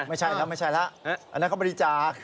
ไม่ใช่ละอันนั้นเขาบริจาค